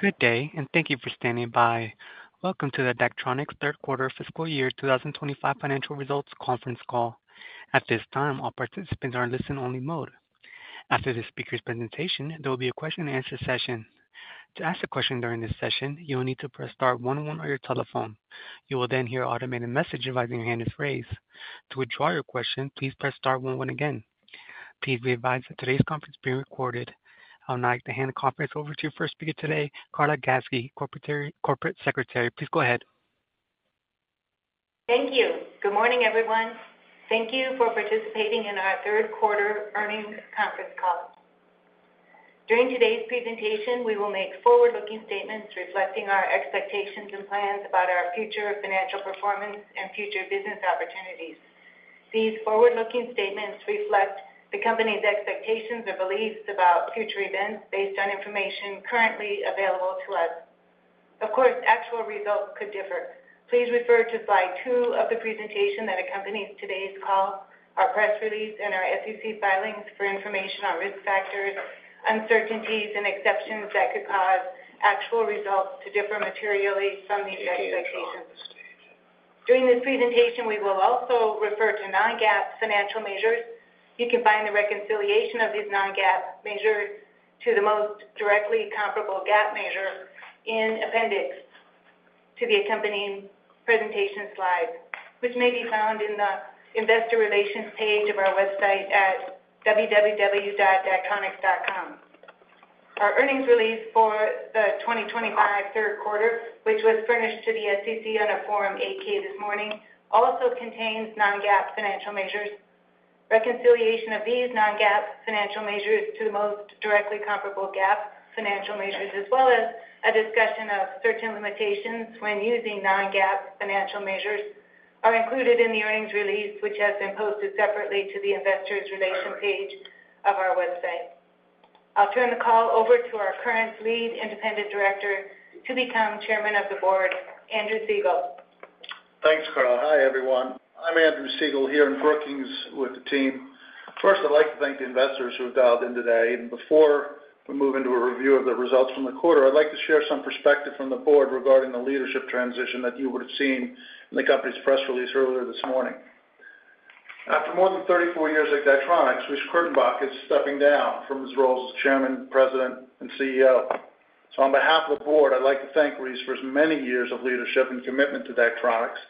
Good day, and thank you for standing by. Welcome to the Daktronics Third Quarter Fiscal Year 2025 Financial Results Conference Call. At this time, all participants are in listen-only mode. After this speaker's presentation, there will be a question-and-answer session. To ask a question during this session, you will need to press star one one on your telephone. You will then hear an automated message advising your hand is raised. To withdraw your question, please press star one one again. Please be advised that today's conference is being recorded. I would now like to hand the conference over to your first speaker today, Carla Gatzke, Corporate Secretary. Please go ahead. Thank you. Good morning, everyone. Thank you for participating in our Third Quarter Earnings Conference Call. During today's presentation, we will make forward-looking statements reflecting our expectations and plans about our future financial performance and future business opportunities. These forward-looking statements reflect the company's expectations or beliefs about future events based on information currently available to us. Of course, actual results could differ. Please refer to slide two of the presentation that accompanies today's call, our press release, and our SEC filings for information on risk factors, uncertainties, and exceptions that could cause actual results to differ materially from these expectations. During this presentation, we will also refer to non-GAAP financial measures. You can find the reconciliation of these non-GAAP measures to the most directly comparable GAAP measure in appendix to the accompanying presentation slide, which may be found in the investor relations page of our website at www.daktronics.com. Our earnings release for the 2025 third quarter, which was furnished to the SEC on a Form 8K this morning, also contains non-GAAP financial measures. Reconciliation of these non-GAAP financial measures to the most directly comparable GAAP financial measures, as well as a discussion of certain limitations when using non-GAAP financial measures, are included in the earnings release, which has been posted separately to the investor relations page of our website. I'll turn the call over to our current lead independent director to become chairman of the board, Andrew Siegel. Thanks, Carla. Hi, everyone. I'm Andrew Siegel here in Brookings with the team. First, I'd like to thank the investors who have dialed in today. Before we move into a review of the results from the quarter, I'd like to share some perspective from the board regarding the leadership transition that you would have seen in the company's press release earlier this morning. After more than 34 years at Daktronics, Reece Kurtenbach is stepping down from his roles as chairman, president, and CEO. On behalf of the board, I'd like to thank Reece for his many years of leadership and commitment to Daktronics,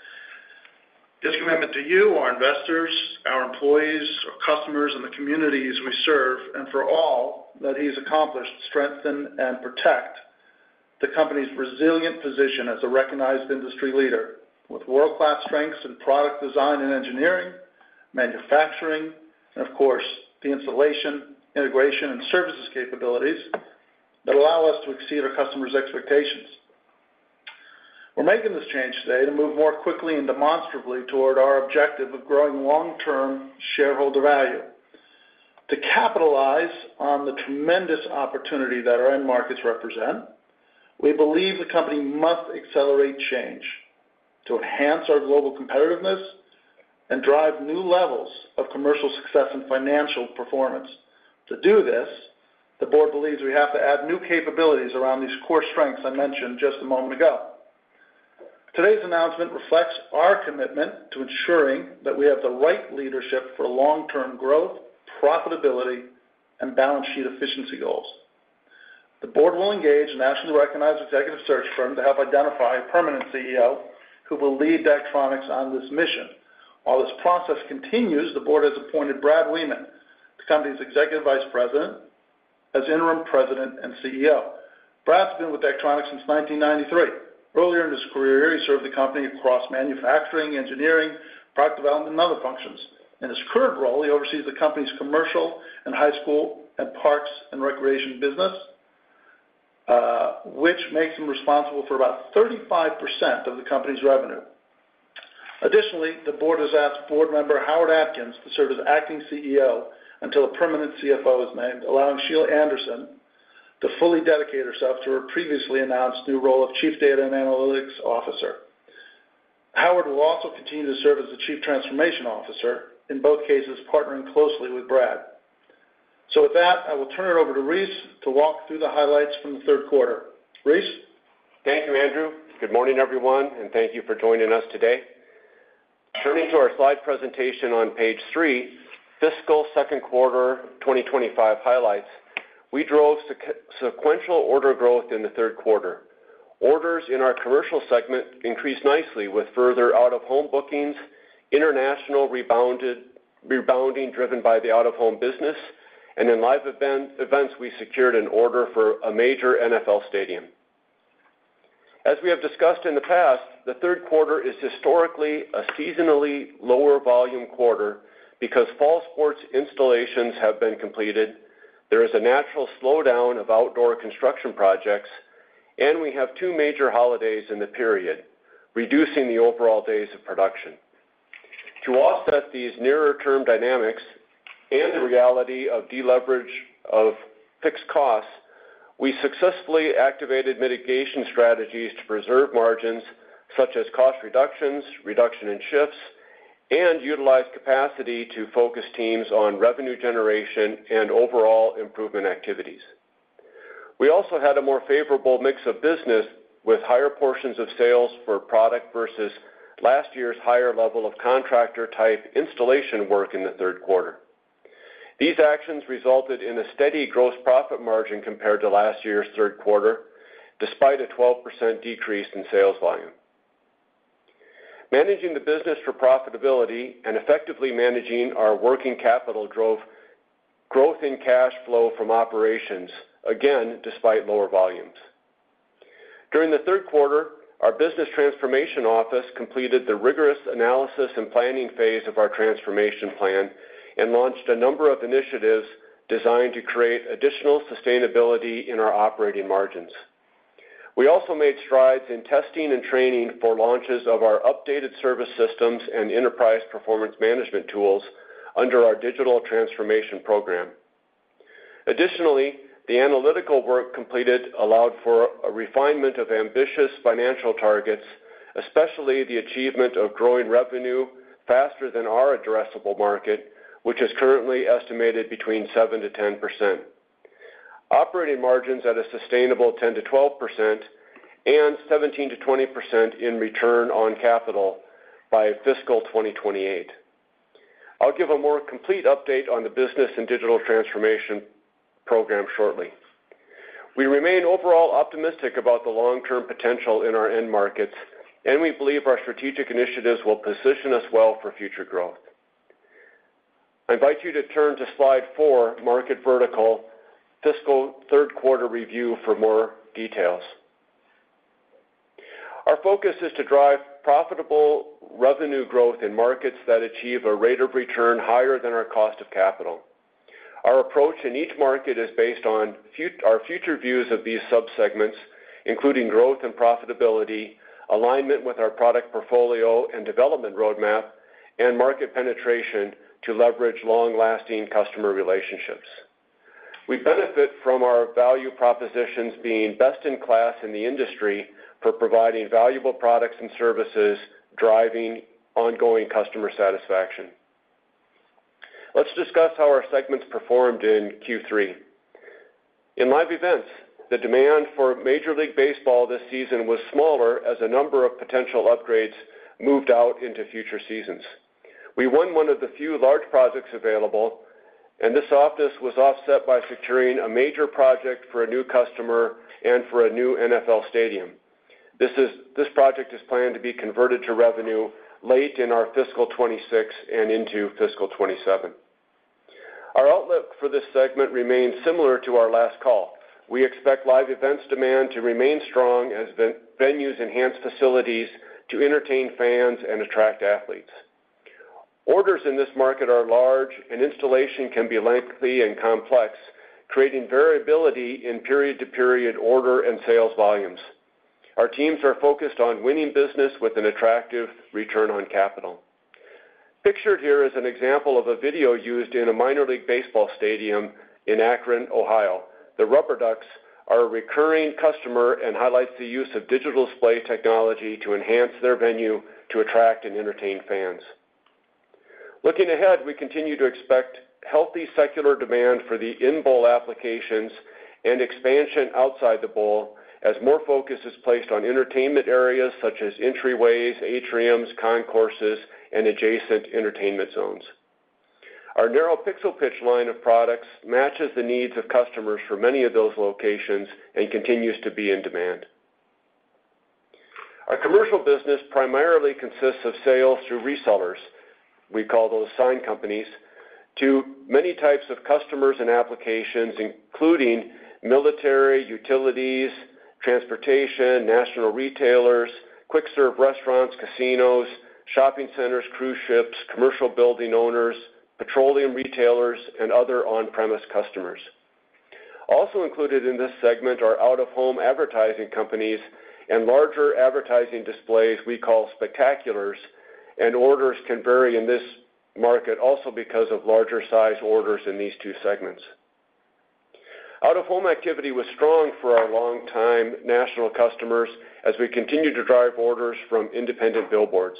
his commitment to you, our investors, our employees, our customers, and the communities we serve, and for all that he's accomplished to strengthen and protect the company's resilient position as a recognized industry leader with world-class strengths in product design and engineering, manufacturing, and, of course, the installation, integration, and services capabilities that allow us to exceed our customers' expectations. We're making this change today to move more quickly and demonstrably toward our objective of growing long-term shareholder value. To capitalize on the tremendous opportunity that our end markets represent, we believe the company must accelerate change to enhance our global competitiveness and drive new levels of commercial success and financial performance. To do this, the board believes we have to add new capabilities around these core strengths I mentioned just a moment ago. Today's announcement reflects our commitment to ensuring that we have the right leadership for long-term growth, profitability, and balance sheet efficiency goals. The board will engage a nationally recognized executive search firm to help identify a permanent CEO who will lead Daktronics on this mission. While this process continues, the board has appointed Brad Wiemann, the company's executive vice president, as interim president and CEO. Brad's been with Daktronics since 1993. Earlier in his career, he served the company across manufacturing, engineering, product development, and other functions. In his current role, he oversees the company's commercial and high school and parks and recreation business, which makes him responsible for about 35% of the company's revenue. Additionally, the board has asked board member Howard Atkins to serve as acting CFO until a permanent CFO is named, allowing Sheila Anderson to fully dedicate herself to her previously announced new role of chief data and analytics officer. Howard will also continue to serve as the chief transformation officer, in both cases partnering closely with Brad. With that, I will turn it over to Reece to walk through the highlights from the third quarter. Reece? Thank you, Andrew. Good morning, everyone, and thank you for joining us today. Turning to our slide presentation on page three, fiscal second quarter 2025 highlights, we drove sequential order growth in the third quarter. Orders in our commercial segment increased nicely with further out-of-home bookings, international rebounding driven by the out-of-home business, and in live events, we secured an order for a major NFL stadium. As we have discussed in the past, the third quarter is historically a seasonally lower volume quarter because fall sports installations have been completed. There is a natural slowdown of outdoor construction projects, and we have two major holidays in the period, reducing the overall days of production. To offset these nearer-term dynamics and the reality of deleverage of fixed costs, we successfully activated mitigation strategies to preserve margins such as cost reductions, reduction in shifts, and utilize capacity to focus teams on revenue generation and overall improvement activities. We also had a more favorable mix of business with higher portions of sales for product versus last year's higher level of contractor-type installation work in the third quarter. These actions resulted in a steady gross profit margin compared to last year's third quarter, despite a 12% decrease in sales volume. Managing the business for profitability and effectively managing our working capital drove growth in cash flow from operations, again, despite lower volumes. During the third quarter, our business transformation office completed the rigorous analysis and planning phase of our transformation plan and launched a number of initiatives designed to create additional sustainability in our operating margins. We also made strides in testing and training for launches of our updated service systems and enterprise performance management tools under our digital transformation program. Additionally, the analytical work completed allowed for a refinement of ambitious financial targets, especially the achievement of growing revenue faster than our addressable market, which is currently estimated between 7% - 10%. Operating margins at a sustainable 10% - 12% and 17% - 20% in return on capital by fiscal 2028. I'll give a more complete update on the business and digital transformation program shortly. We remain overall optimistic about the long-term potential in our end markets, and we believe our strategic initiatives will position us well for future growth. I invite you to turn to slide four, market vertical, fiscal third quarter review for more details. Our focus is to drive profitable revenue growth in markets that achieve a rate of return higher than our cost of capital. Our approach in each market is based on our future views of these subsegments, including growth and profitability, alignment with our product portfolio and development roadmap, and market penetration to leverage long-lasting customer relationships. We benefit from our value propositions being best in class in the industry for providing valuable products and services driving ongoing customer satisfaction. Let's discuss how our segments performed in Q3. In live events, the demand for major league baseball this season was smaller as a number of potential upgrades moved out into future seasons. We won one of the few large projects available, and this softness was offset by securing a major project for a new customer and for a new NFL stadium. This project is planned to be converted to revenue late in our fiscal 2026 and into fiscal 2027. Our outlook for this segment remains similar to our last call. We expect live events demand to remain strong as venues enhance facilities to entertain fans and attract athletes. Orders in this market are large, and installation can be lengthy and complex, creating variability in period-to-period order and sales volumes. Our teams are focused on winning business with an attractive return on capital. Pictured here is an example of a video used in a minor league baseball stadium in Akron, Ohio. The Rubber Ducks are a recurring customer and highlights the use of digital display technology to enhance their venue to attract and entertain fans. Looking ahead, we continue to expect healthy secular demand for the in-bowl applications and expansion outside the bowl as more focus is placed on entertainment areas such as entryways, atriums, concourses, and adjacent entertainment zones. Our narrow-pixel-pitch line of products matches the needs of customers for many of those locations and continues to be in demand. Our commercial business primarily consists of sales through resellers. We call those sign companies to many types of customers and applications, including military, utilities, transportation, national retailers, quick-serve restaurants, casinos, shopping centers, cruise ships, commercial building owners, petroleum retailers, and other on-premise customers. Also included in this segment are out-of-home advertising companies and larger advertising displays we call spectaculars, and orders can vary in this market also because of larger size orders in these two segments. Out-of-home activity was strong for our long-time national customers as we continued to drive orders from independent billboards.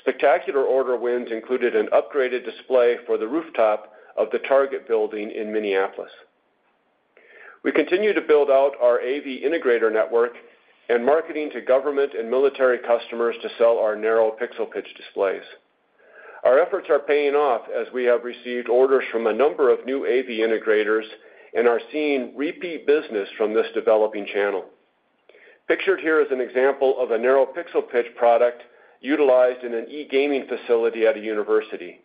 Spectacular order wins included an upgraded display for the rooftop of the Target building in Minneapolis. We continue to build out our AV integrator network and marketing to government and military customers to sell our narrow-pixel-pitch displays. Our efforts are paying off as we have received orders from a number of new AV integrators and are seeing repeat business from this developing channel. Pictured here is an example of a narrow-pixel-pitch product utilized in an e-gaming facility at a university.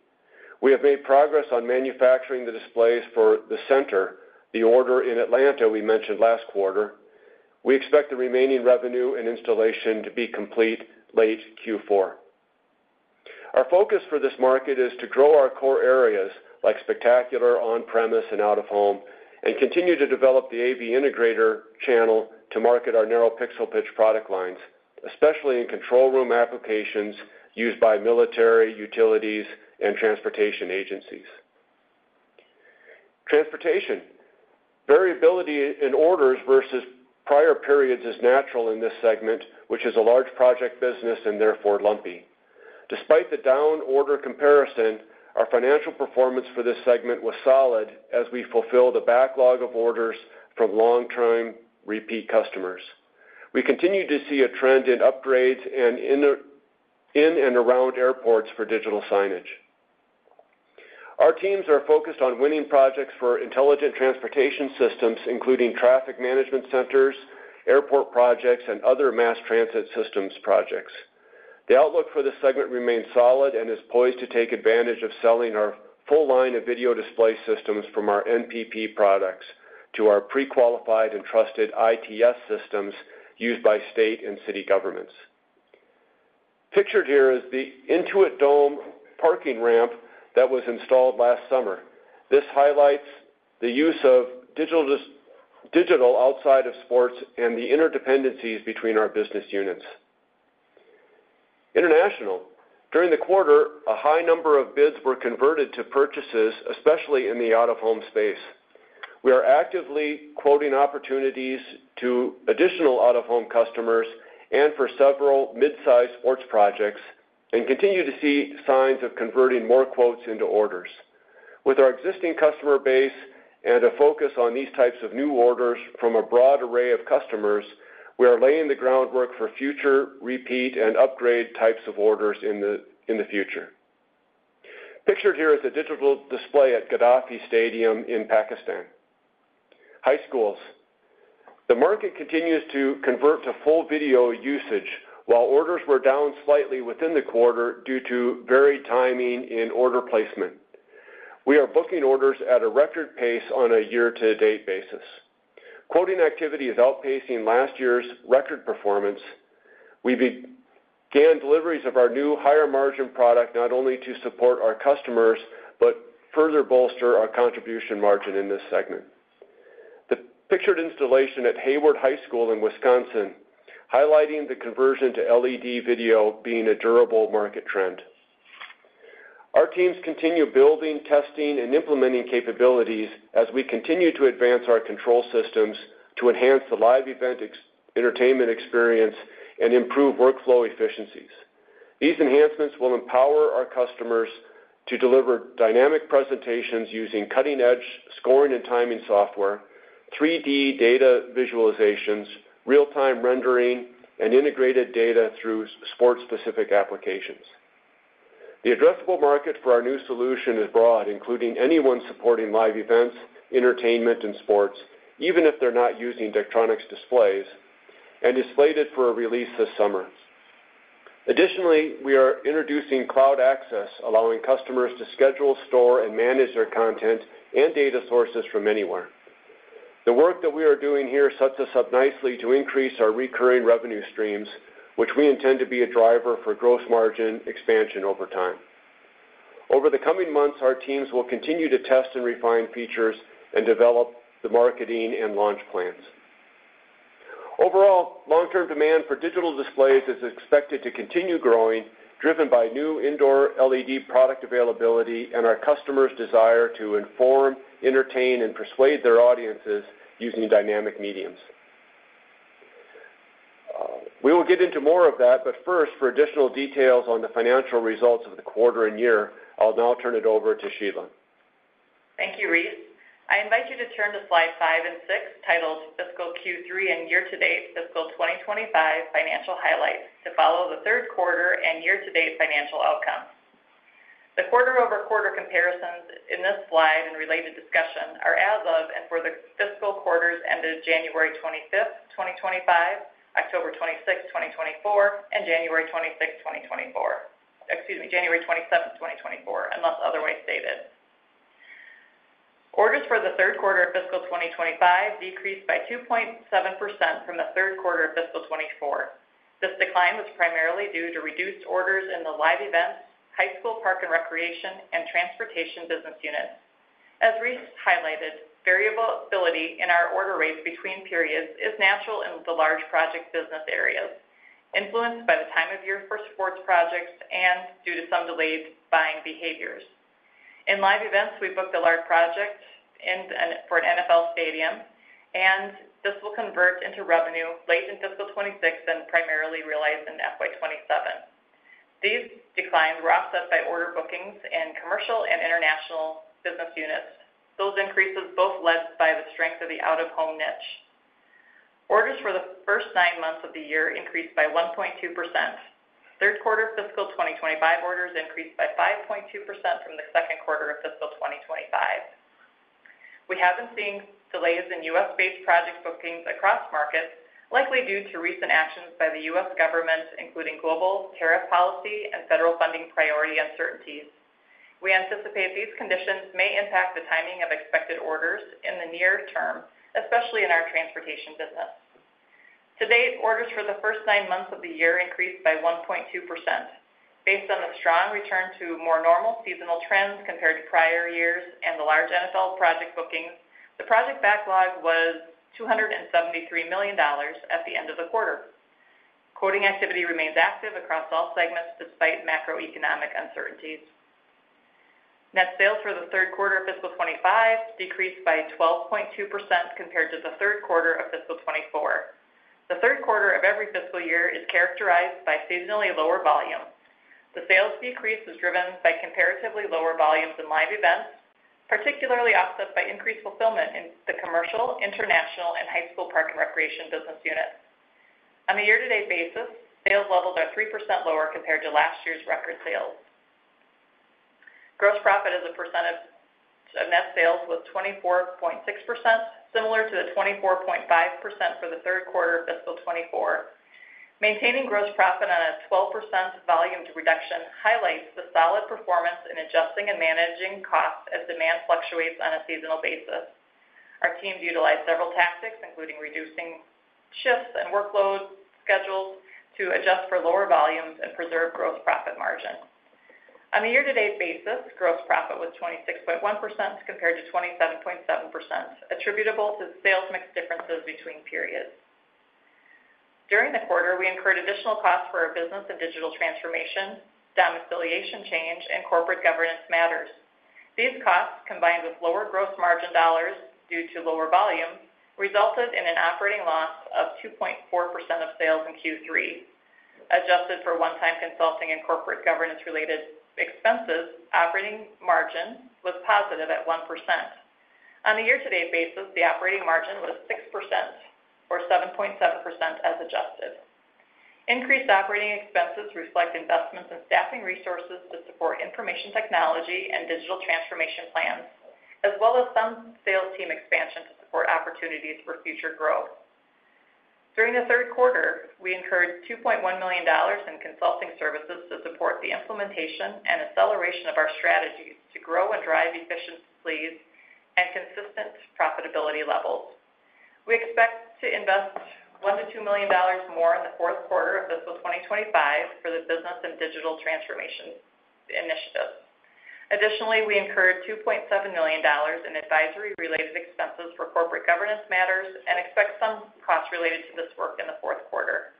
We have made progress on manufacturing the displays for the center, the order in Atlanta we mentioned last quarter. We expect the remaining revenue and installation to be complete late Q4. Our focus for this market is to grow our core areas like spectacular, on-premise, and out-of-home, and continue to develop the AV integrator channel to market our narrow-pixel-pitch product lines, especially in control room applications used by military, utilities, and transportation agencies. Variability in orders versus prior periods is natural in this segment, which is a large project business and therefore lumpy. Despite the down order comparison, our financial performance for this segment was solid as we fulfill the backlog of orders from long-term repeat customers. We continue to see a trend in upgrades and in and around airports for digital signage. Our teams are focused on winning projects for intelligent transportation systems, including traffic management centers, airport projects, and other mass transit systems projects. The outlook for this segment remains solid and is poised to take advantage of selling our full line of video display systems from our NPP products to our pre-qualified and trusted ITS systems used by state and city governments. Pictured here is the Intuit Dome parking ramp that was installed last summer. This highlights the use of digital outside of sports and the interdependencies between our business units. International. During the quarter, a high number of bids were converted to purchases, especially in the out-of-home space. We are actively quoting opportunities to additional out-of-home customers and for several mid-size sports projects and continue to see signs of converting more quotes into orders. With our existing customer base and a focus on these types of new orders from a broad array of customers, we are laying the groundwork for future repeat and upgrade types of orders in the future. Pictured here is a digital display at Gaddafi Stadium in Pakistan. High schools. The market continues to convert to full video usage while orders were down slightly within the quarter due to varied timing in order placement. We are booking orders at a record pace on a year-to-date basis. Quoting activity is outpacing last year's record performance. We began deliveries of our new higher margin product not only to support our customers but further bolster our contribution margin in this segment. The pictured installation at Hayward High School in Wisconsin highlighting the conversion to LED video being a durable market trend. Our teams continue building, testing, and implementing capabilities as we continue to advance our control systems to enhance the live event entertainment experience and improve workflow efficiencies. These enhancements will empower our customers to deliver dynamic presentations using cutting-edge scoring and timing software, 3D data visualizations, real-time rendering, and integrated data through sports-specific applications. The addressable market for our new solution is broad, including anyone supporting live events, entertainment, and sports, even if they're not using Daktronics displays, and is slated for a release this summer. Additionally, we are introducing cloud access, allowing customers to schedule, store, and manage their content and data sources from anywhere. The work that we are doing here sets us up nicely to increase our recurring revenue streams, which we intend to be a driver for gross margin expansion over time. Over the coming months, our teams will continue to test and refine features and develop the marketing and launch plans. Overall, long-term demand for digital displays is expected to continue growing, driven by new indoor LED product availability and our customers' desire to inform, entertain, and persuade their audiences using dynamic mediums. We will get into more of that, but first, for additional details on the financial results of the quarter and year, I'll now turn it over to Sheila. Thank you, Reece. I invite you to turn to slide five and six titled Fiscal Q3 and Year-to-Date Fiscal 2025 Financial Highlights to follow the third quarter and year-to-date financial outcomes. The quarter-over-quarter comparisons in this slide and related discussion are as of and for the fiscal quarters ended January 25th, 2025, October 26th, 2024, and January 26th, 2024. Excuse me, January 27th, 2024, unless otherwise stated. Orders for the third quarter of fiscal 2025 decreased by 2.7% from the third quarter of fiscal 2024. This decline was primarily due to reduced orders in the live events, high school, park, and recreation, and transportation business units. As Reece highlighted, variability in our order rates between periods is natural in the large project business areas, influenced by the time of year for sports projects and due to some delayed buying behaviors. In live events, we booked a large project for an NFL stadium, and this will convert into revenue late in fiscal 2026 and primarily realized in fiscal 2027. These declines were offset by order bookings in commercial and international business units. Those increases both led by the strength of the out-of-home niche. Orders for the first nine months of the year increased by 1.2%. Third-quarter fiscal 2025 orders increased by 5.2% from the second quarter of fiscal 2025. We have been seeing delays in U.S.-based project bookings across markets, likely due to recent actions by the U.S. government, including global tariff policy and federal funding priority uncertainties. We anticipate these conditions may impact the timing of expected orders in the near term, especially in our transportation business. To date, orders for the first nine months of the year increased by 1.2%. Based on the strong return to more normal seasonal trends compared to prior years and the large NFL project bookings, the project backlog was $273 million at the end of the quarter. Quoting activity remains active across all segments despite macroeconomic uncertainties. Net sales for the third quarter of fiscal 2025 decreased by 12.2% compared to the third quarter of fiscal 2024. The third quarter of every fiscal year is characterized by seasonally lower volumes. The sales decrease is driven by comparatively lower volumes in live events, particularly offset by increased fulfillment in the commercial, international, and high school park and recreation business units. On a year-to-date basis, sales levels are 3% lower compared to last year's record sales. Gross profit as a percent of net sales was 24.6%, similar to the 24.5% for the third quarter of fiscal 2024. Maintaining gross profit on a 12% volume reduction highlights the solid performance in adjusting and managing costs as demand fluctuates on a seasonal basis. Our teams utilized several tactics, including reducing shifts and workload schedules to adjust for lower volumes and preserve gross profit margin. On a year-to-date basis, gross profit was 26.1% compared to 27.7%, attributable to sales mix differences between periods. During the quarter, we incurred additional costs for our business and digital transformation, domiciliation change, and corporate governance matters. These costs, combined with lower gross margin dollars due to lower volume, resulted in an operating loss of 2.4% of sales in Q3. Adjusted for one-time consulting and corporate governance-related expenses, operating margin was positive at 1%. On a year-to-date basis, the operating margin was 6% or 7.7% as adjusted. Increased operating expenses reflect investments in staffing resources to support information technology and digital transformation plans, as well as some sales team expansion to support opportunities for future growth. During the third quarter, we incurred $2.1 million in consulting services to support the implementation and acceleration of our strategies to grow and drive efficiencies and consistent profitability levels. We expect to invest $1 million - $2 million more in the fourth quarter of fiscal 2025 for the business and digital transformation initiative. Additionally, we incurred $2.7 million in advisory-related expenses for corporate governance matters and expect some costs related to this work in the fourth quarter.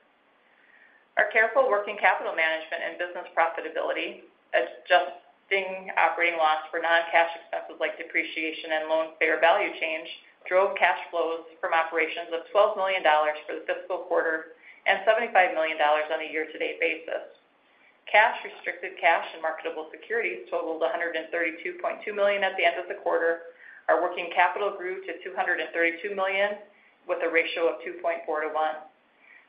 Our careful working capital management and business profitability, adjusting operating loss for non-cash expenses like depreciation and loan fair value change, drove cash flows from operations of $12 million for the fiscal quarter and $75 million on a year-to-date basis. Cash, restricted cash, and marketable securities totaled $132.2 million at the end of the quarter. Our working capital grew to $232 million with a ratio of 2.4 to 1.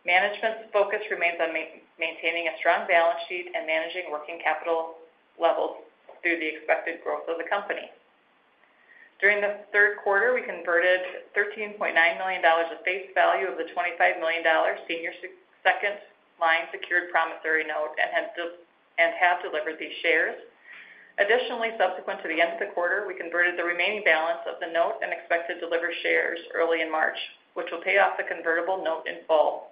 Management's focus remains on maintaining a strong balance sheet and managing working capital levels through the expected growth of the company. During the third quarter, we converted $13.9 million of face value of the $25 million senior second-line secured promissory note and have delivered these shares. Additionally, subsequent to the end of the quarter, we converted the remaining balance of the note and expected delivered shares early in March, which will pay off the convertible note in full,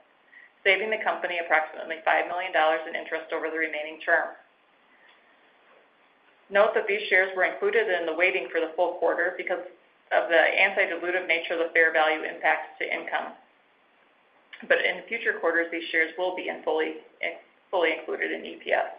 saving the company approximately $5 million in interest over the remaining term. Note that these shares were included in the weighting for the full quarter because of the antedilutive nature of the fair value impact to income. In future quarters, these shares will be fully included in EPS.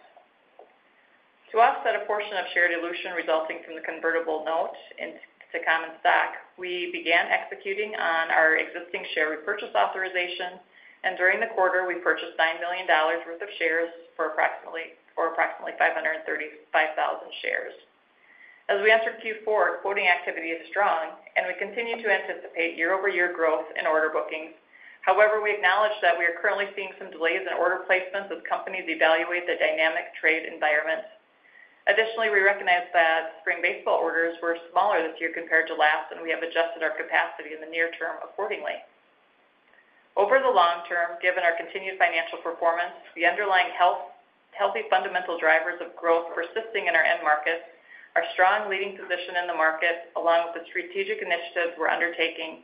To offset a portion of share dilution resulting from the convertible note into common stock, we began executing on our existing share repurchase authorization, and during the quarter, we purchased $9 million worth of shares for approximately 535,000 shares. As we entered Q4, quoting activity is strong, and we continue to anticipate year-over-year growth in order bookings. However, we acknowledge that we are currently seeing some delays in order placements as companies evaluate the dynamic trade environment. Additionally, we recognize that spring baseball orders were smaller this year compared to last, and we have adjusted our capacity in the near term accordingly. Over the long term, given our continued financial performance, the underlying healthy fundamental drivers of growth persisting in our end markets, our strong leading position in the market, along with the strategic initiatives we're undertaking,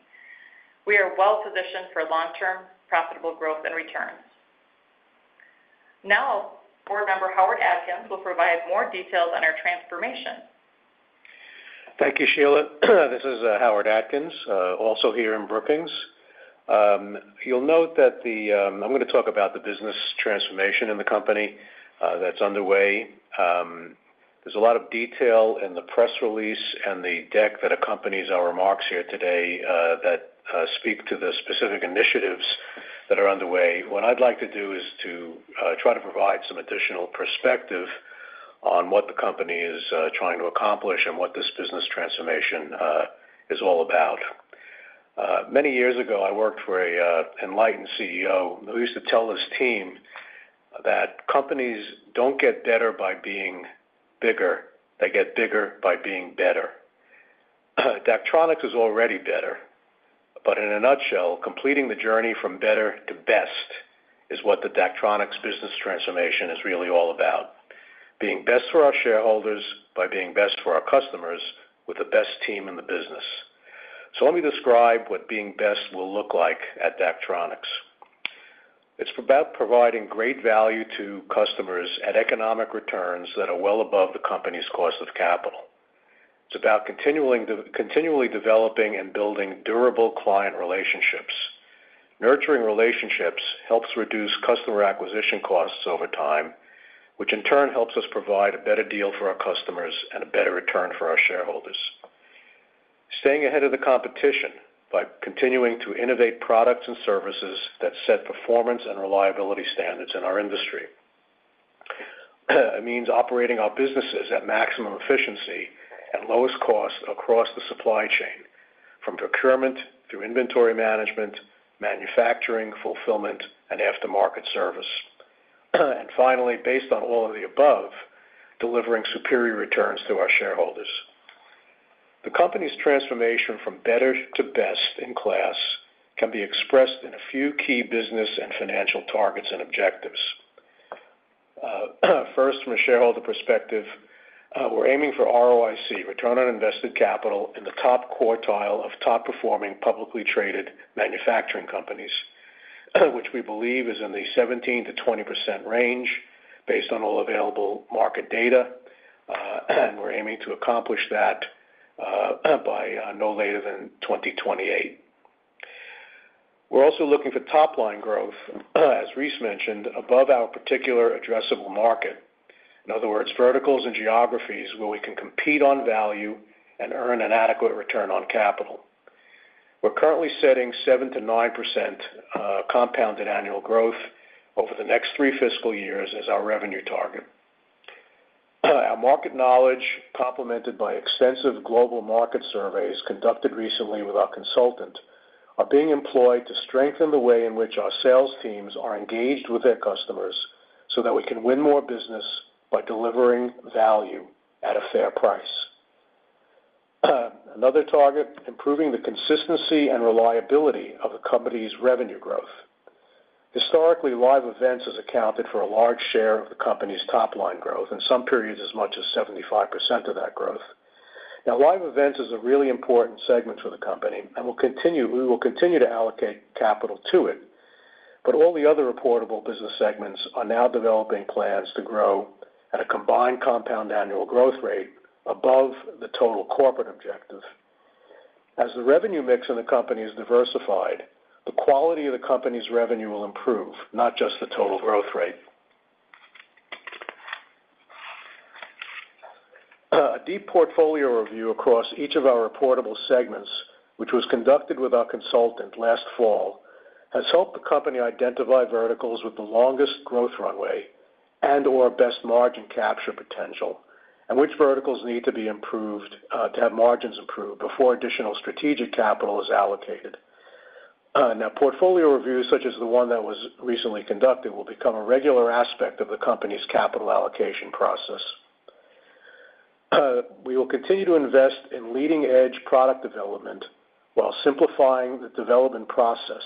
we are well positioned for long-term profitable growth and returns. Now, board member Howard Atkins will provide more details on our transformation. Thank you, Sheila. This is Howard Atkins, also here in Brookings. You'll note that I'm going to talk about the business transformation in the company that's underway. There's a lot of detail in the press release and the deck that accompanies our remarks here today that speak to the specific initiatives that are underway. What I'd like to do is to try to provide some additional perspective on what the company is trying to accomplish and what this business transformation is all about. Many years ago, I worked for an enlightened CEO who used to tell his team that companies do not get better by being bigger; they get bigger by being better. Daktronics is already better, but in a nutshell, completing the journey from better to best is what the Daktronics business transformation is really all about: being best for our shareholders by being best for our customers with the best team in the business. Let me describe what being best will look like at Daktronics. It's about providing great value to customers at economic returns that are well above the company's cost of capital. It's about continually developing and building durable client relationships. Nurturing relationships helps reduce customer acquisition costs over time, which in turn helps us provide a better deal for our customers and a better return for our shareholders. Staying ahead of the competition by continuing to innovate products and services that set performance and reliability standards in our industry means operating our businesses at maximum efficiency and lowest cost across the supply chain, from procurement through inventory management, manufacturing, fulfillment, and aftermarket service. Finally, based on all of the above, delivering superior returns to our shareholders. The company's transformation from better to best in class can be expressed in a few key business and financial targets and objectives. First, from a shareholder perspective, we're aiming for ROIC, return on invested capital, in the top quartile of top-performing publicly traded manufacturing companies, which we believe is in the 17% - 20% range based on all available market data, and we're aiming to accomplish that by no later than 2028. We're also looking for top-line growth, as Reece mentioned, above our particular addressable market. In other words, verticals and geographies where we can compete on value and earn an adequate return on capital. We're currently setting 7% - 9% compounded annual growth over the next three fiscal years as our revenue target. Our market knowledge, complemented by extensive global market surveys conducted recently with our consultant, are being employed to strengthen the way in which our sales teams are engaged with their customers so that we can win more business by delivering value at a fair price. Another target: improving the consistency and reliability of the company's revenue growth. Historically, live events has accounted for a large share of the company's top-line growth, in some periods as much as 75% of that growth. Now, live events is a really important segment for the company, and we will continue to allocate capital to it. All the other reportable business segments are now developing plans to grow at a combined compound annual growth rate above the total corporate objective. As the revenue mix in the company is diversified, the quality of the company's revenue will improve, not just the total growth rate. A deep portfolio review across each of our reportable segments, which was conducted with our consultant last fall, has helped the company identify verticals with the longest growth runway and/or best margin capture potential, and which verticals need to be improved to have margins improved before additional strategic capital is allocated. Now, portfolio reviews such as the one that was recently conducted will become a regular aspect of the company's capital allocation process. We will continue to invest in leading-edge product development while simplifying the development process.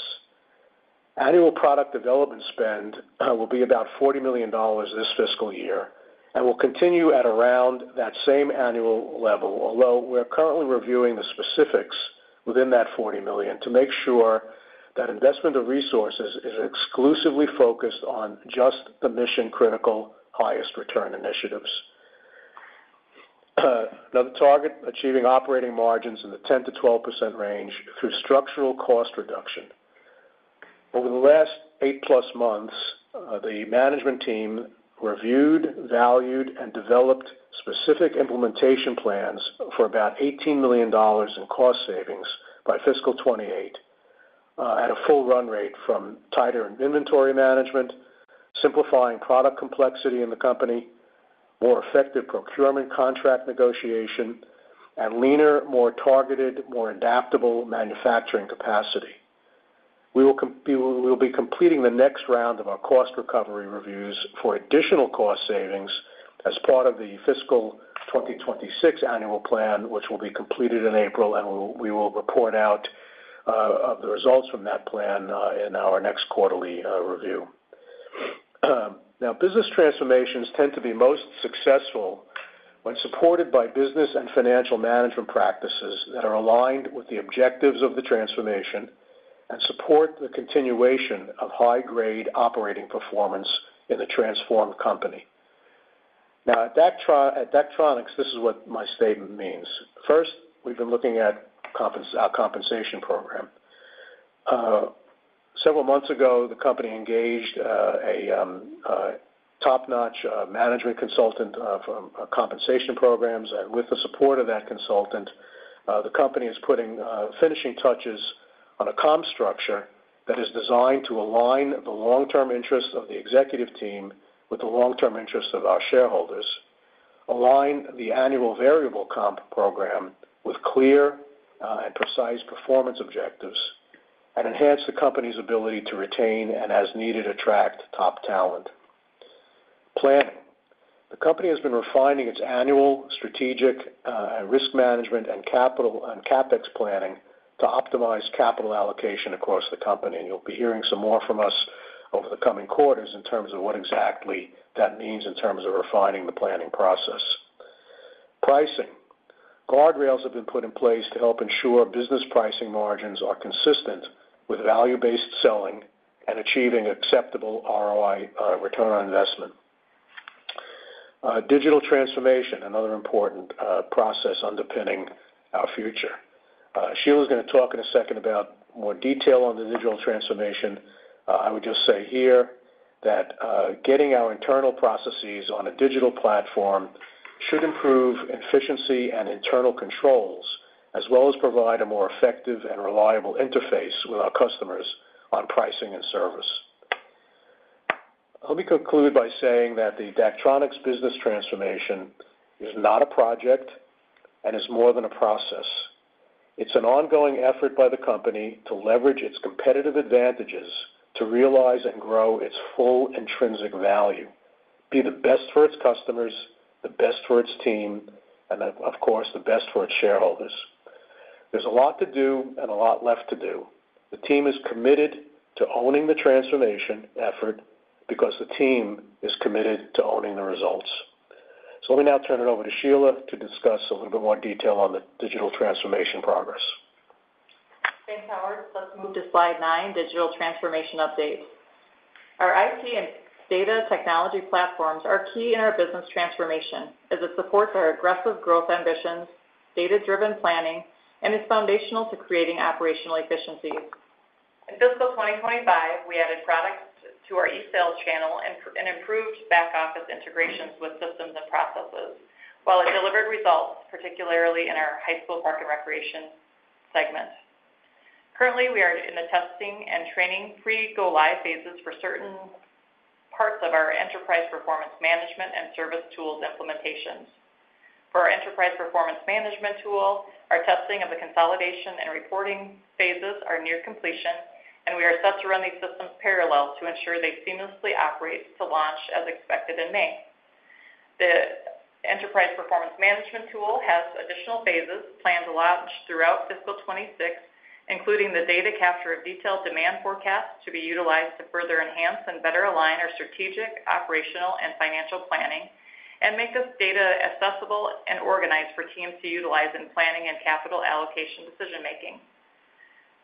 Annual product development spend will be about $40 million this fiscal year and will continue at around that same annual level, although we're currently reviewing the specifics within that $40 million to make sure that investment of resources is exclusively focused on just the mission-critical highest return initiatives. Another target: achieving operating margins in the 10% - 12% range through structural cost reduction. Over the last eight-plus months, the management team reviewed, valued, and developed specific implementation plans for about $18 million in cost savings by fiscal 2028 at a full run rate from tighter inventory management, simplifying product complexity in the company, more effective procurement contract negotiation, and leaner, more targeted, more adaptable manufacturing capacity. We will be completing the next round of our cost recovery reviews for additional cost savings as part of the fiscal 2026 annual plan, which will be completed in April, and we will report out the results from that plan in our next quarterly review. Now, business transformations tend to be most successful when supported by business and financial management practices that are aligned with the objectives of the transformation and support the continuation of high-grade operating performance in the transformed company. Now, at Daktronics, this is what my statement means. First, we've been looking at our compensation program. Several months ago, the company engaged a top-notch management consultant from compensation programs, and with the support of that consultant, the company is finishing touches on a comp structure that is designed to align the long-term interests of the executive team with the long-term interests of our shareholders, align the annual variable comp program with clear and precise performance objectives, and enhance the company's ability to retain and, as needed, attract top talent. Planning: the company has been refining its annual strategic risk management and CapEx planning to optimize capital allocation across the company, and you'll be hearing some more from us over the coming quarters in terms of what exactly that means in terms of refining the planning process. Pricing: guardrails have been put in place to help ensure business pricing margins are consistent with value-based selling and achieving acceptable ROI, return on investment. Digital transformation, another important process underpinning our future. Sheila is going to talk in a second about more detail on the digital transformation. I would just say here that getting our internal processes on a digital platform should improve efficiency and internal controls, as well as provide a more effective and reliable interface with our customers on pricing and service. Let me conclude by saying that the Daktronics business transformation is not a project and is more than a process. It's an ongoing effort by the company to leverage its competitive advantages to realize and grow its full intrinsic value, be the best for its customers, the best for its team, and, of course, the best for its shareholders. There's a lot to do and a lot left to do. The team is committed to owning the transformation effort because the team is committed to owning the results. Let me now turn it over to Sheila to discuss a little bit more detail on the digital transformation progress. Thanks, Howard. Let's move to slide nine, digital transformation updates. Our IT and data technology platforms are key in our business transformation as it supports our aggressive growth ambitions, data-driven planning, and is foundational to creating operational efficiencies. In fiscal 2025, we added products to our e-sales channel and improved back-office integrations with systems and processes while it delivered results, particularly in our high school park and recreation segment. Currently, we are in the testing and training pre-go-live phases for certain parts of our enterprise performance management and service tools implementations. For our enterprise performance management tool, our testing of the consolidation and reporting phases are near completion, and we are set to run these systems parallel to ensure they seamlessly operate to launch as expected in May. The enterprise performance management tool has additional phases planned to launch throughout fiscal 2026, including the data capture of detailed demand forecasts to be utilized to further enhance and better align our strategic, operational, and financial planning and make this data accessible and organized for teams to utilize in planning and capital allocation decision-making.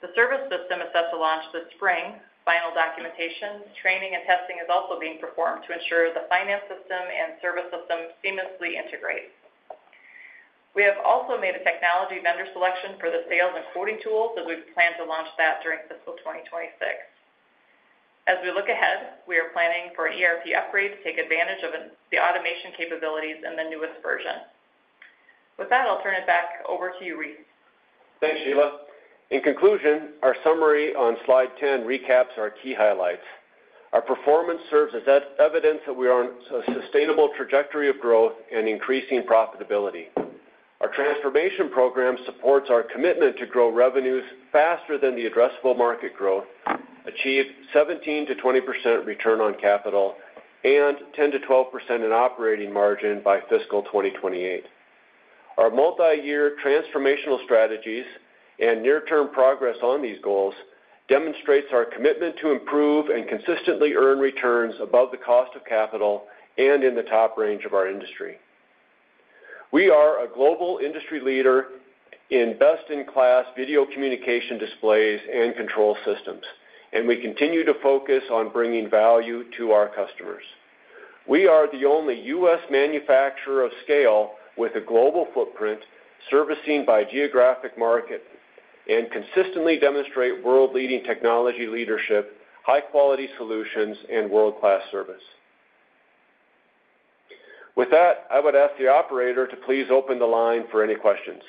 The service system is set to launch this spring. Final documentation, training, and testing is also being performed to ensure the finance system and service system seamlessly integrate. We have also made a technology vendor selection for the sales and quoting tools as we plan to launch that during fiscal 2026. As we look ahead, we are planning for an ERP upgrade to take advantage of the automation capabilities in the newest version. With that, I'll turn it back over to you, Reece. Thanks, Sheila. In conclusion, our summary on slide 10 recaps our key highlights. Our performance serves as evidence that we are on a sustainable trajectory of growth and increasing profitability. Our transformation program supports our commitment to grow revenues faster than the addressable market growth, achieve 17% - 20% return on capital, and 10% - 12% in operating margin by fiscal 2028. Our multi-year transformational strategies and near-term progress on these goals demonstrate our commitment to improve and consistently earn returns above the cost of capital and in the top range of our industry. We are a global industry leader in best-in-class video communication displays and control systems, and we continue to focus on bringing value to our customers. We are the only U.S. manufacturer of scale with a global footprint, servicing by geographic market, and consistently demonstrate world-leading technology leadership, high-quality solutions, and world-class service. With that, I would ask the operator to please open the line for any questions.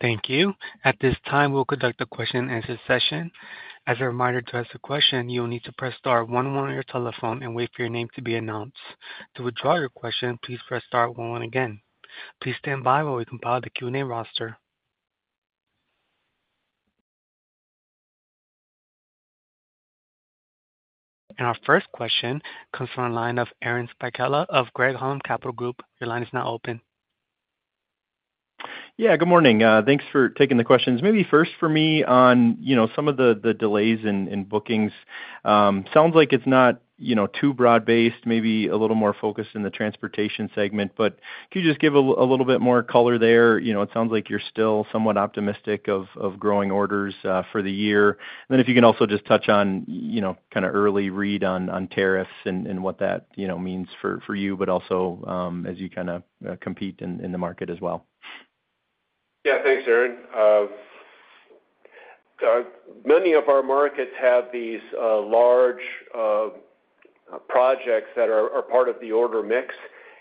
Thank you. At this time, we'll conduct a question-and-answer session. As a reminder to ask a question, you'll need to press star one one on your telephone and wait for your name to be announced. To withdraw your question, please press star one one again. Please stand by while we compile the Q&A roster. Our first question comes from the line of Aaron Spychalla of Craig-Hallum Capital Group. Your line is now open. Yeah, good morning. Thanks for taking the questions. Maybe first for me on some of the delays in bookings. Sounds like it's not too broad-based, maybe a little more focused in the transportation segment, but could you just give a little bit more color there? It sounds like you're still somewhat optimistic of growing orders for the year. If you can also just touch on kind of early read on tariffs and what that means for you, but also as you kind of compete in the market as well. Yeah, thanks, Aaron. Many of our markets have these large projects that are part of the order mix,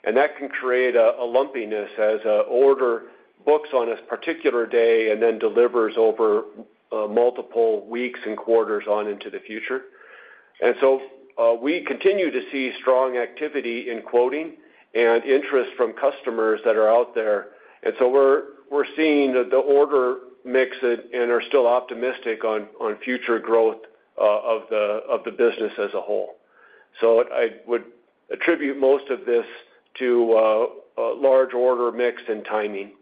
and that can create a lumpiness as an order books on a particular day and then delivers over multiple weeks and quarters on into the future. We continue to see strong activity in quoting and interest from customers that are out there. We are seeing the order mix and are still optimistic on future growth of the business as a whole. I would attribute most of this to a large order mix and timing.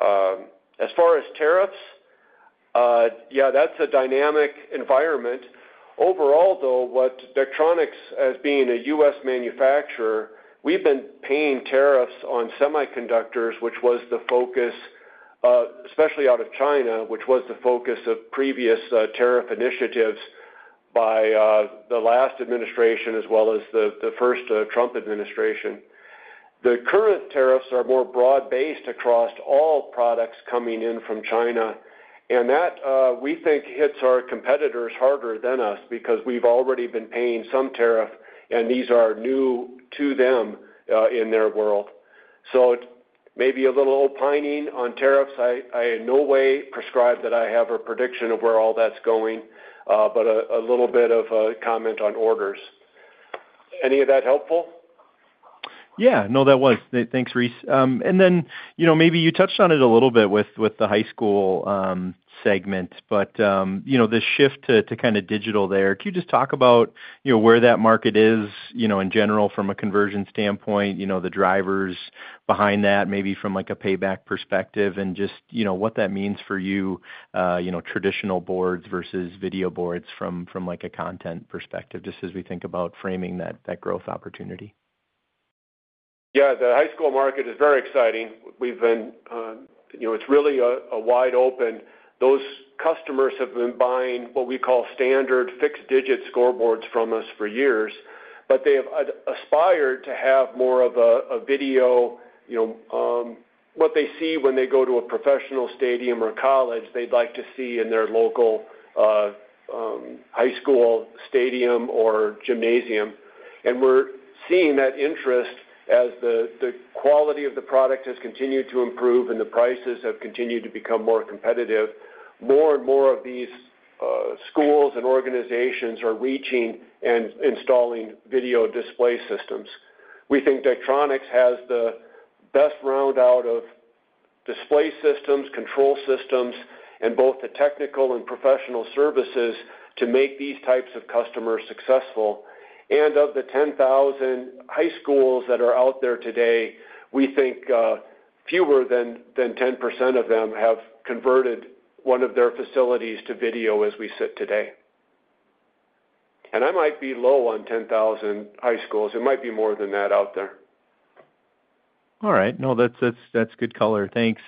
As far as tariffs, yeah, that's a dynamic environment. Overall, though, with Daktronics as being a U.S. manufacturer, we've been paying tariffs on semiconductors, which was the focus, especially out of China, which was the focus of previous tariff initiatives by the last administration as well as the first Trump administration. The current tariffs are more broad-based across all products coming in from China, and that, we think, hits our competitors harder than us because we've already been paying some tariff, and these are new to them in their world. Maybe a little opining on tariffs. I in no way prescribe that I have a prediction of where all that's going, but a little bit of a comment on orders. Any of that helpful? Yeah, no, that was. Thanks, Reece. Maybe you touched on it a little bit with the high school segment, but the shift to kind of digital there, could you just talk about where that market is in general from a conversion standpoint, the drivers behind that, maybe from a payback perspective, and just what that means for you, traditional boards versus video boards from a content perspective, just as we think about framing that growth opportunity? Yeah, the high school market is very exciting. We've been—it's really wide open. Those customers have been buying what we call standard fixed-digit scoreboards from us for years, but they have aspired to have more of a video—what they see when they go to a professional stadium or a college they'd like to see in their local high school stadium or gymnasium. We're seeing that interest as the quality of the product has continued to improve and the prices have continued to become more competitive. More and more of these schools and organizations are reaching and installing video display systems. We think Daktronics has the best round out of display systems, control systems, and both the technical and professional services to make these types of customers successful. Of the 10,000 high schools that are out there today, we think fewer than 10% of them have converted one of their facilities to video as we sit today. I might be low on 10,000 high schools. It might be more than that out there. All right. No, that's good color. Thanks.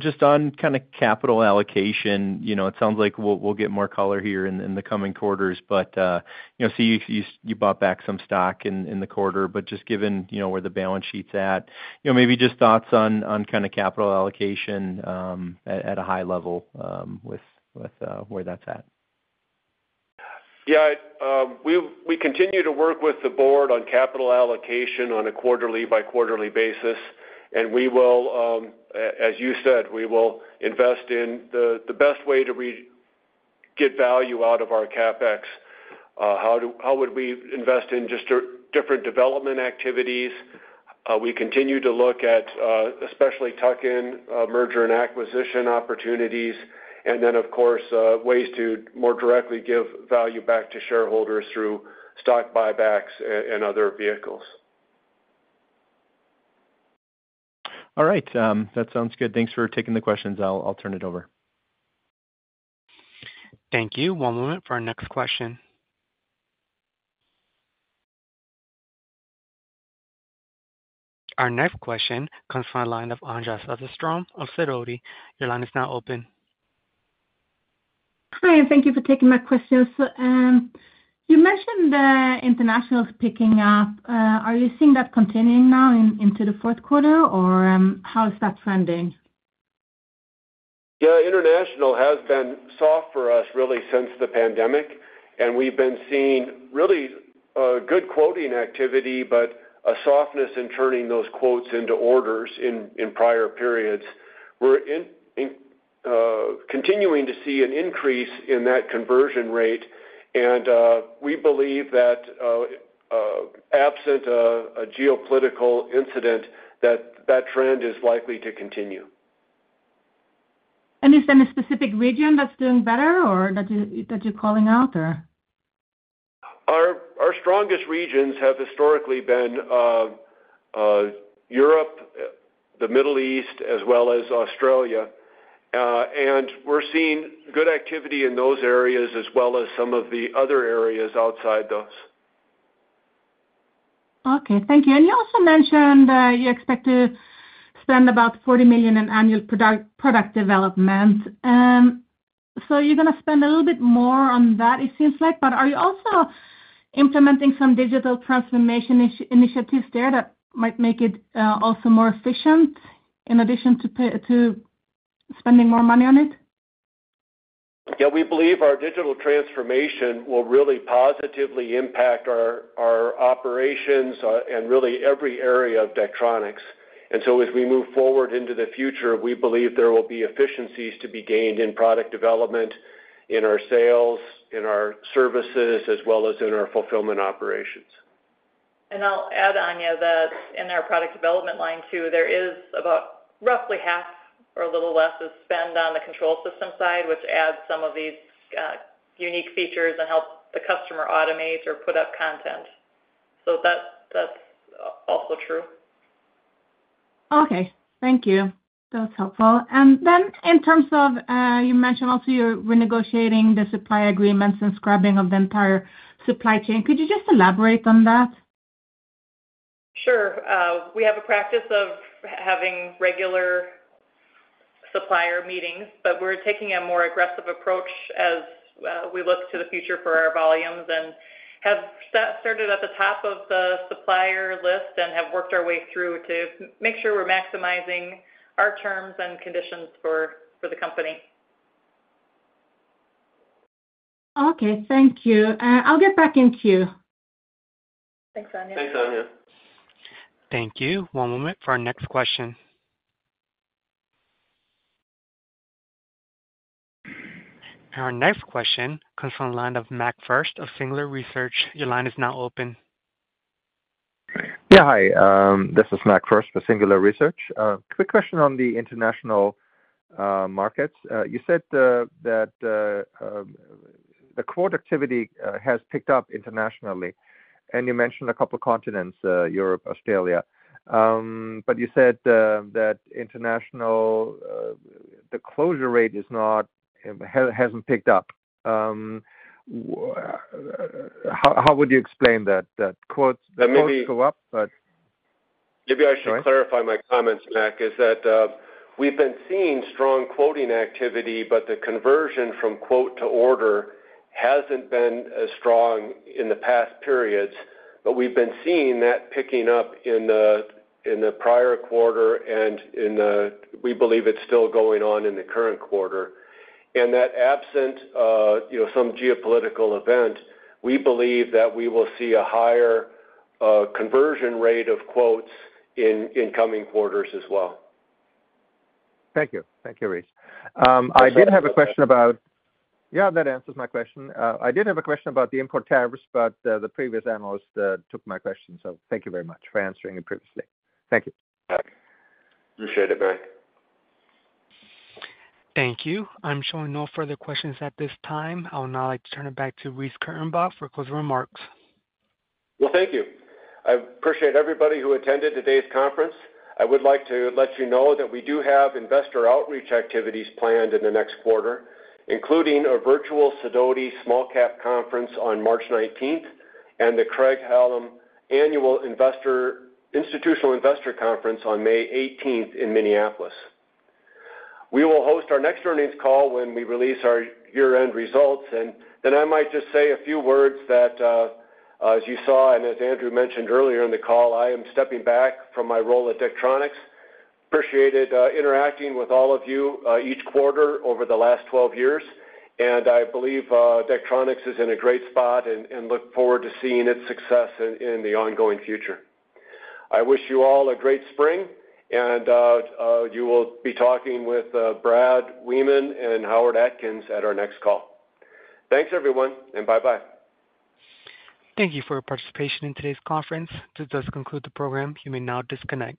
Just on kind of capital allocation, it sounds like we'll get more color here in the coming quarters, but I see you bought back some stock in the quarter. Just given where the balance sheet's at, maybe just thoughts on kind of capital allocation at a high level with where that's at. Yeah, we continue to work with the board on capital allocation on a quarterly by quarterly basis, and we will, as you said, invest in the best way to get value out of our CapEx. How would we invest in just different development activities? We continue to look at especially tuck-in merger and acquisition opportunities, and then, of course, ways to more directly give value back to shareholders through stock buybacks and other vehicles. All right. That sounds good. Thanks for taking the questions. I'll turn it over. Thank you. One moment for our next question. Our next question comes from the line of Anja Soderstrom of Sidoti. Your line is now open. Hi, and thank you for taking my questions. You mentioned the international is picking up. Are you seeing that continuing now into the fourth quarter, or how is that trending? Yeah, international has been soft for us really since the pandemic, and we've been seeing really good quoting activity, but a softness in turning those quotes into orders in prior periods. We're continuing to see an increase in that conversion rate, and we believe that absent a geopolitical incident, that trend is likely to continue. Is there a specific region that's doing better or that you're calling out, or? Our strongest regions have historically been Europe, the Middle East, as well as Australia. We're seeing good activity in those areas as well as some of the other areas outside those. Okay. Thank you. You also mentioned you expect to spend about $40 million in annual product development. You're going to spend a little bit more on that, it seems like, but are you also implementing some digital transformation initiatives there that might make it also more efficient in addition to spending more money on it? Yeah, we believe our digital transformation will really positively impact our operations and really every area of Daktronics. As we move forward into the future, we believe there will be efficiencies to be gained in product development, in our sales, in our services, as well as in our fulfillment operations. I'll add on that in our product development line too, there is about roughly half or a little less is spent on the control system side, which adds some of these unique features and helps the customer automate or put up content. That's also true. Okay. Thank you. That was helpful. In terms of you mentioned also you're renegotiating the supply agreements and scrubbing of the entire supply chain. Could you just elaborate on that? Sure. We have a practice of having regular supplier meetings, but we're taking a more aggressive approach as we look to the future for our volumes and have started at the top of the supplier list and have worked our way through to make sure we're maximizing our terms and conditions for the company. Okay. Thank you. I'll get back in queue. Thanks, Anja. Thanks, Anja. Thank you. One moment for our next question. Our next question comes from the line of Mac Furst of Singular Research. Your line is now open. Yeah, hi. This is Mac Furst for Singular Research. Quick question on the international markets. You said that the quote activity has picked up internationally, and you mentioned a couple of continents, Europe, Australia. You said that international, the closure rate hasn't picked up. How would you explain that? Quotes go up, but. Maybe I should clarify my comments, Mac, is that we've been seeing strong quoting activity, but the conversion from quote to order hasn't been as strong in the past periods. We've been seeing that picking up in the prior quarter, and we believe it's still going on in the current quarter. That absent some geopolitical event, we believe that we will see a higher conversion rate of quotes in coming quarters as well. Thank you. Thank you, Reece. I did have a question about. Yeah, that answers my question. I did have a question about the import tariffs, but the previous analyst took my question. Thank you very much for answering it previously. Thank you. Appreciate it, Mac. Thank you. I'm showing no further questions at this time. I would now like to turn it back to Reece Kurtenbach for closing remarks. Thank you. I appreciate everybody who attended today's conference. I would like to let you know that we do have investor outreach activities planned in the next quarter, including a Virtual Sidoti Smallcap Conference on March 19th and the Craig-Hallum Institutional Investor Conference on May 18th in Minneapolis. We will host our next earnings call when we release our year-end results. I might just say a few words that, as you saw and as Andrew mentioned earlier in the call, I am stepping back from my role at Daktronics. Appreciated interacting with all of you each quarter over the last 12 years, and I believe Daktronics is in a great spot and look forward to seeing its success in the ongoing future. I wish you all a great spring, and you will be talking with Brad Wiemann and Howard Atkins at our next call. Thanks, everyone, and bye-bye. Thank you for your participation in today's conference. This does conclude the program. You may now disconnect.